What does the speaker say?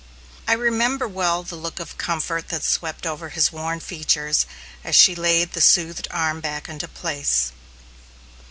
I remember well the look of comfort that swept over his worn features as she laid the soothed arm back into place.